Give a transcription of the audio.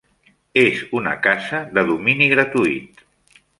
És una casa de domini gratuït.